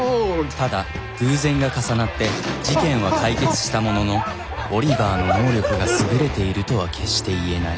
ただ偶然が重なって事件は解決したもののオリバーの能力が優れているとは決して言えない。